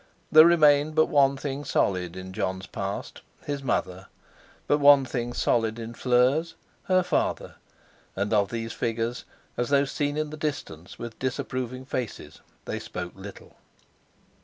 There remained but one thing solid in Jon's past—his mother; but one thing solid in Fleur's—her father; and of these figures, as though seen in the distance with disapproving faces, they spoke little.